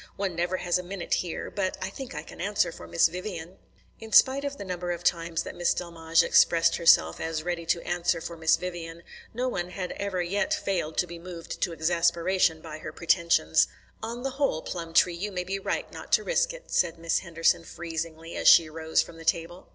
One never has a minute here. But I think I can answer for Miss Vivian." In spite of the number of times that Miss Delmege expressed herself as ready to answer for Miss Vivian, no one had ever yet failed to be moved to exasperation by her pretensions. "On the whole, Plumtree, you may be right not to risk it," said Miss Henderson freezingly, as she rose from the table.